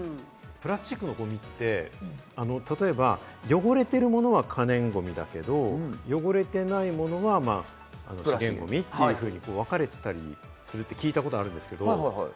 プラスチックのごみって例えば汚れているものは可燃ごみだけど、汚れていないものは資源ごみっていうふうにわかれていたりするって聞いたことがあるんですけど。